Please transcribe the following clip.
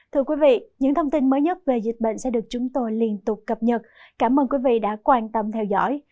thưa quý vị những thông tin mới nhất về dịch bệnh sẽ được chúng tôi liên tục cập nhật cảm ơn quý vị đã quan tâm theo dõi